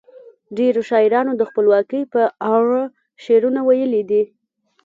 ډیرو شاعرانو د خپلواکۍ په اړه شعرونه ویلي دي.